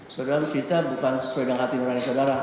saudara kita bukan sesuai dengan hati menangis saudara